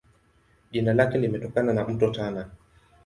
Jina lake limetokana na Mto Tana.